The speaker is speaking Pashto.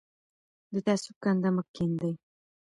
د تعصب کنده مه کیندئ.